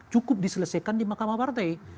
cukup diselesaikan di mahkamah partai